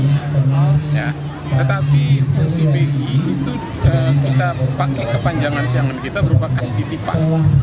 tetapi fungsi bi itu kita pakai kepanjangan pangan kita berupa kas titipan